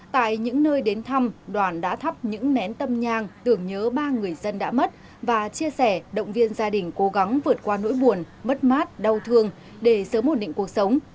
tại những nơi đến thăm đoàn đã thắp những nén tâm nhang tưởng nhớ ba người dân đã mất và chia sẻ động viên gia đình cố gắng vượt qua nỗi buồn mất mát đau thương để sớm ổn định cuộc sống